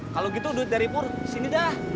kalau gitu dut dari pur sini dah